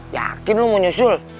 yakin lo mau nyusul